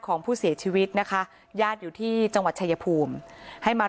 ของผู้เสียชีวิตนะคะญาติอยู่ที่จังหวัดชายภูมิให้มา